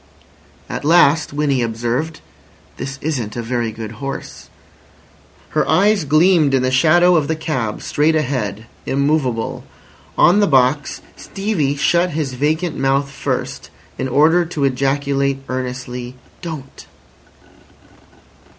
At last Winnie observed: "This isn't a very good horse." Her eyes gleamed in the shadow of the cab straight ahead, immovable. On the box, Stevie shut his vacant mouth first, in order to ejaculate earnestly: "Don't."